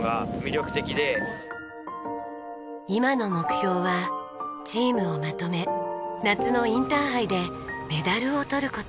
今の目標はチームをまとめ夏のインターハイでメダルを取る事。